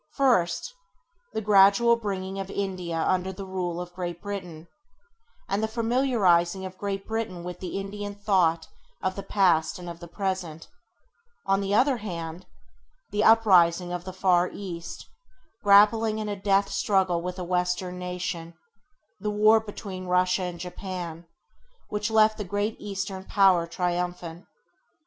First, the gradual bringing of India under the rule of Great Britain, and the familiarizing of Great Britain with the Indian thought of the past and of the present; on the other hand, the uprising of the [Page 5] far East, grappling in a death struggle with a western nation — the war between Russia and Japan, which left the great eastern Power triumphant.